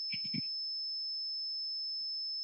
于是泾阳国除。